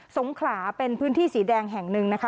สงขลาเป็นพื้นที่สีแดงแห่งหนึ่งนะคะ